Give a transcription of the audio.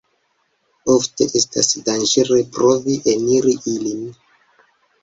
Ofte estas danĝere provi eniri ilin.